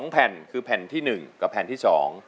แผ่นคือแผ่นที่๑กับแผ่นที่๒